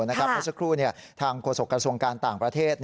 เมื่อสักครู่ทางโฆษกระทรวงการต่างประเทศ